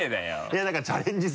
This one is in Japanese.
いや何かチャレンジ